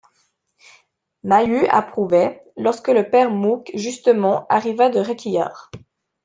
Maheu approuvait, lorsque le père Mouque, justement, arriva de Réquillart.